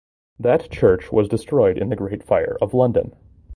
That church was destroyed in the Great Fire of London.